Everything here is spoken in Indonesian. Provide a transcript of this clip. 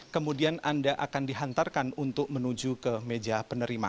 kemudian anda akan dihantarkan untuk menuju ke meja penerima